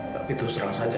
tapi terus terang saja